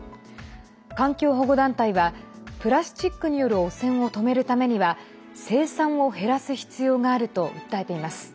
環境保護団体はプラスチックによる汚染を止めるためには生産を減らす必要があると訴えています。